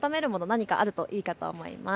何かあるといいと思います。